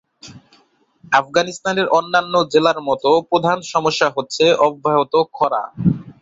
আফগানিস্তানের অন্যান্য জেলার মত প্রধান সমস্যা হচ্ছে অব্যাহত খরা।